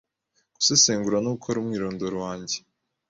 Gusesengura no gukora umwirondoro wange